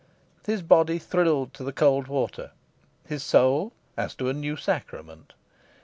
His body thrilled to the cold water, his soul as to a new sacrament.